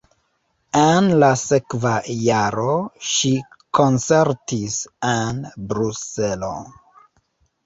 En la sekva jaro ŝi koncertis en Bruselo.